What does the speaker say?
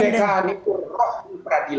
kemerdekaan itu roh peradilan